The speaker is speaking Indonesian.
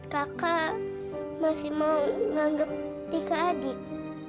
kakak masih mau nganggep tiga adik